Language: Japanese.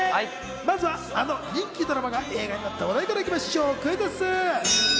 まずは、あの人気ドラマが映画になった話題から行きましょう、クイズッス！